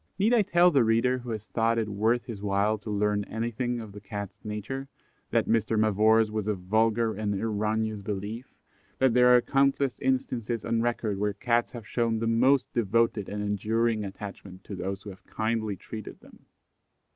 Need I tell the reader who has thought it worth his while to learn anything of the Cat's nature, that Mr. Mavor's was a vulgar and erroneous belief, and that there are countless instances on record where Cats have shown the most devoted and enduring attachment to those who have kindly treated them.